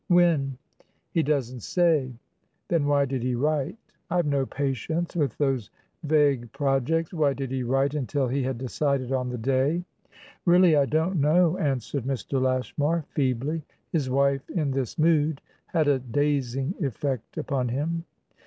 "When?" "He doesn't say." "Then why did he write? I've no patience with those vague projects. Why did he write until he had decided on the day?" "Really, I don't know," answered Mr. Lashmar, feebly. His wife, in this mood, had a dazing effect upon him.